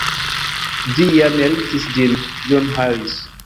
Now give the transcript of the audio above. Vi ja meritis ĝin, John Harris.